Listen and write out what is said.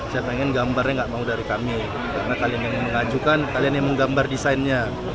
saya pengen gambarnya nggak mau dari kami karena kalian yang mengajukan kalian yang menggambar desainnya